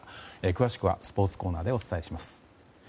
詳しくはスポーツコーナーでお伝えします。